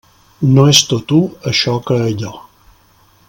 No és tot u això que allò.